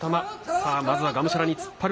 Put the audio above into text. さあ、まずはがむしゃらに突っ張る